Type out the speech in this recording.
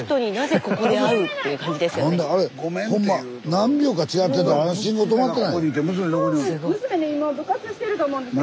何秒か違ってたらあの信号止まってないよ。